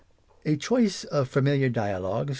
Preface, /t CHOICE of familiar dialogues